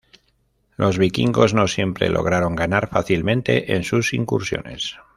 Los vikingos no siempre lograron ganar fácilmente en sus incursiones.